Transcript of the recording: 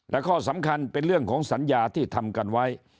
และข้อสำคัญเป็นเรื่องของสัญญาที่ทำกันไว้